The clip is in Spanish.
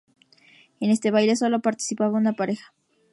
En este baile solo participaba una pareja.